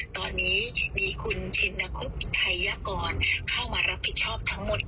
ตอนนี้มีคุณชินคุบไทยกรเข้ามารับผิดชอบทั้งหมด